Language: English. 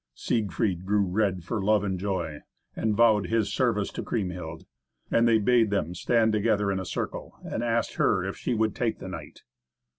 Siegfried grew red for love and joy, and vowed his service to Kriemhild. And they bade them stand together in a circle, and asked her if she would take the knight.